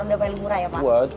udah paling murah ya pak